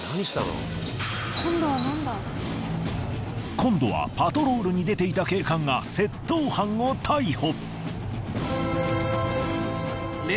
今度はパトロールに出ていた警官が窃盗犯を逮捕。